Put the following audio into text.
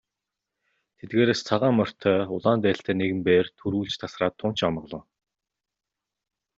Тэдгээрээс цагаан морьтой улаан дээлтэй нэгэн бээр түрүүлж тасраад тун ч омголон.